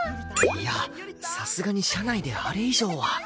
いやさすがに社内であれ以上は。